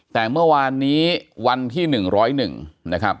แต่เมื่อวานนี้วันที่๑๐๑นะครับ